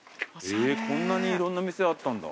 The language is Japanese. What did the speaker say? こんなにいろんな店あったんだ。